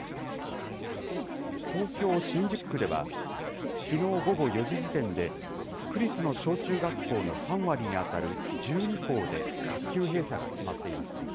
東京・新宿区では、きのう午後４時時点で、区立の小中学校の３割に当たる１２校で学級閉鎖が決まっています。